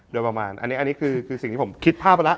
อยู่ประมาณอันนี้คือสิ่งที่ผมคิดภาพละ